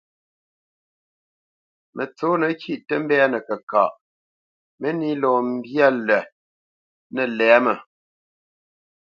Mətsǒnə kîʼ tə mbɛ́nə kəkaʼ, mə́nī lɔ mbyâ lət nə̂ lɛ̌mə.